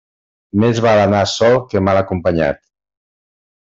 Més val anar sol que mal acompanyat.